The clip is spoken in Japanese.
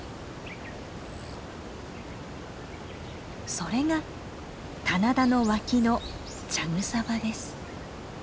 それが棚田の脇の茶草場です。